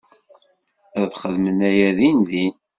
Ad xedmen aya dindin.